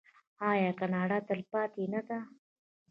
آیا کاناډا تلپاتې نه ده؟